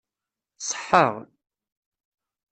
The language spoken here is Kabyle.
Ṣeḥḥaɣ.